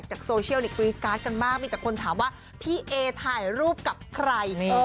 โซเชียลกรี๊ดการ์ดกันมากมีแต่คนถามว่าพี่เอถ่ายรูปกับใคร